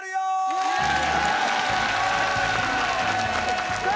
イエーイ！